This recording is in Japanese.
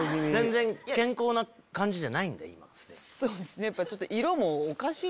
そうですね。